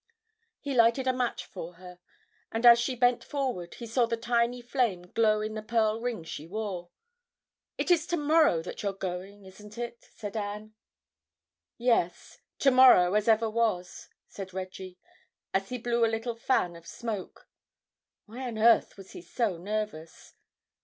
He lighted a match for her, and as she bent forward he saw the tiny flame glow in the pearl ring she wore. "It is to morrow that you're going, isn't it?" said Anne. "Yes, to morrow as ever was," said Reggie, and he blew a little fan of smoke. Why on earth was he so nervous?